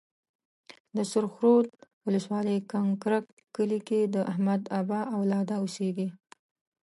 د سرخ رود ولسوالۍ کنکرک کلي کې د احمدآبا اولاده اوسيږي.